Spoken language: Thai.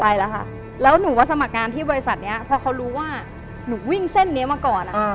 ไปแล้วค่ะแล้วหนูมาสมัครงานที่บริษัทเนี้ยพอเขารู้ว่าหนูวิ่งเส้นนี้มาก่อนอ่ะ